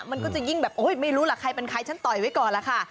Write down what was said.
มันก็จะยิ่งแบบโอ้ยไม่รู้ล่ะใครเป็นใครฉันต่อยไว้ก่อนล่ะค่ะ